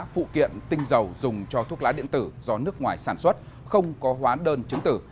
phụ kiện tinh dầu dùng cho thuốc lá điện tử do nước ngoài sản xuất không có hóa đơn chứng tử